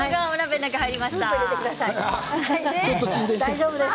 大丈夫です。